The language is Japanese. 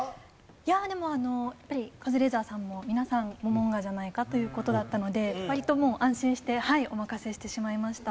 いやでもやっぱりカズレーザーさんも皆さんモモンガじゃないかという事だったので割ともう安心してはいお任せしてしまいました。